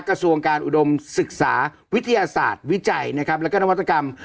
กระทรวงการอุดมศึกษาวิทยาศาสตร์วิจัยนะครับแล้วก็นวัตกรรม